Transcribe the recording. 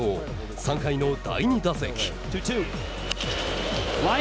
３回の第２打席。